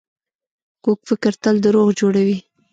کوږ فکر تل دروغ جوړوي